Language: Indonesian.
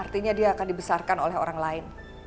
artinya dia akan dibesarkan oleh orang lain